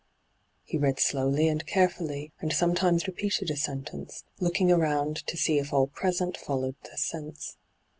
He read slowly and carefully, and sometimes repeated a sentence, looking around to see if all present followed the sense.